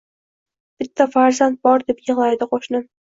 Bitta farzand ber deb yig’laydi qo’shnim